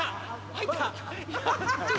入った？